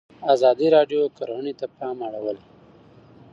ازادي راډیو د کرهنه ته پام اړولی.